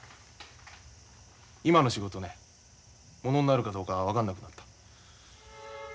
今の仕事ねものになるかどうか分からなくなった。